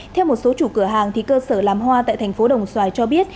theo một số chủ cửa hàng cơ sở làm hoa tại thành phố đồng xoài cho biết